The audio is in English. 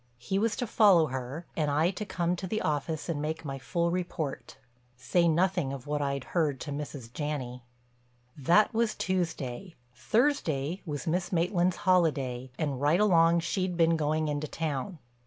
He was to follow her and I to come to the office and make my full report. Say nothing of what I'd heard to Mrs. Janney. That was Tuesday; Thursday was Miss Maitland's holiday and right along she'd been going into town.